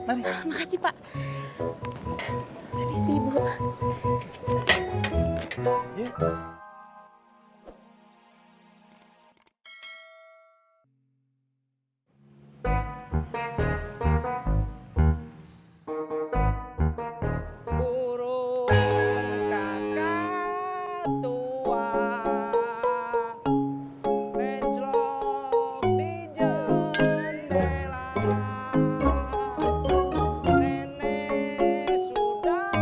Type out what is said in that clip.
terima kasih pak